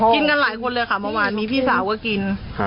กินกันหลายคนเลยค่ะเมื่อวานมีพี่สาวก็กิน